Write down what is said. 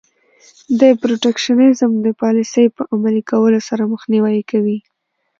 د protectionism د پالیسۍ په عملي کولو سره مخنیوی کوي.